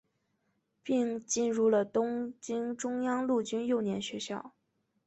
并进入了东京中央陆军幼年学校。